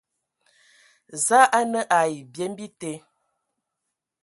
Za a nǝ ai byem bite,